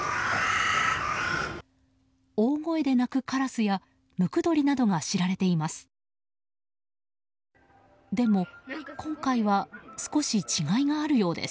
大声で鳴くカラスやムクドリなどが知られています。